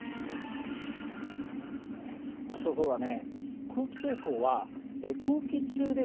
面白そうだね。